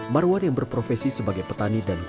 marwan yang berprofesi sebagai petani dan keluarga